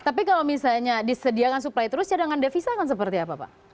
tapi kalau misalnya disediakan supply terus cadangan devisa akan seperti apa pak